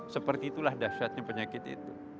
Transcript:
seperti itulah dahsyatnya penyakit itu